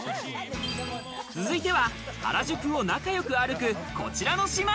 続いては原宿を仲良く歩く、こちらの姉妹。